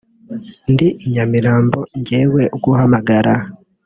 ndi i Nyamirambo njyewe uguhamagara